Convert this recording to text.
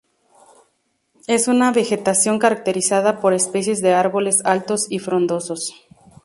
Es una vegetación caracterizada por especies de árboles altos y frondosos.